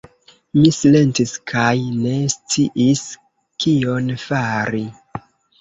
Mi silentis kaj ne sciis kion fari.